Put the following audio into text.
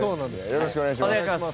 よろしくお願いします。